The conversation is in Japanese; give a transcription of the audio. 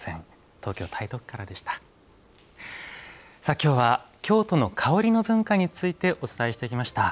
きょうは京都の香りの文化についてお伝えしてきました。